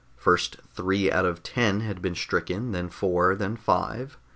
First three out of ten had been stricken, then four, then five.